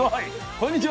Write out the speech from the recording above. こんにちは。